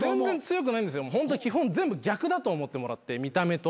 ホント基本全部逆だと思ってもらって見た目と。